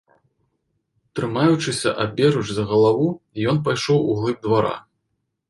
Трымаючыся аберуч за галаву, ён пайшоў у глыб двара.